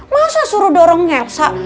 masa suruh dorong elsa